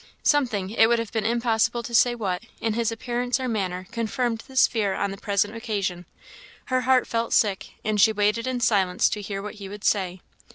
Something, it would have been impossible to say what, in his appearance or manner, confirmed this fear on the present occasion. Her heart felt sick, and she waited in silence to hear what he would say.